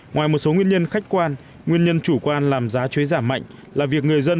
ngoài một số nguyên nhân khách quan nguyên nhân chủ quan làm giá chuối giảm mạnh là việc người dân